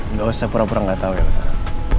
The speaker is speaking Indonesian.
nggak usah pura pura nggak tahu ya masalah